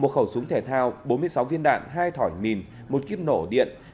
một khẩu súng thể thao bốn mươi sáu viên đạn hai thỏi mìn một kíp nổ điện